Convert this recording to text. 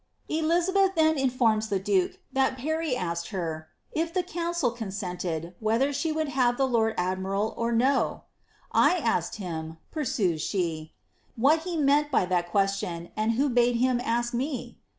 EUanbeth then informs the duke that Pany asked her, ^ if the council eoosentedy whether she would have the lord admiral or na" ^ I asked him^'^ pursues she, ^ what he meant by that question, and who bade him ask me